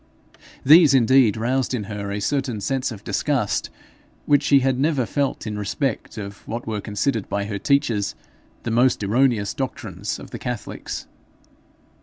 These indeed roused in her a certain sense of disgust which she had never felt in respect of what were considered by her teachers the most erroneous doctrines of the catholics.